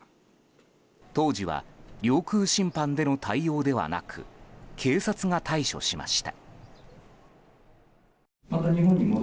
当時は領空侵犯での対応ではなく警察が対処しました。